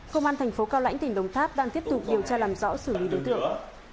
công an thành phố cao lãnh tỉnh đồng tháp đang tiếp tục điều tra làm rõ xử lý đối tượng